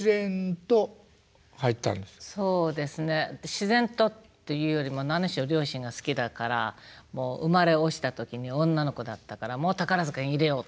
自然とっていうよりも何しろ両親が好きだからもう生まれ落ちた時に女の子だったから「宝塚に入れよう！」